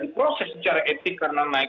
diproses secara etik karena naik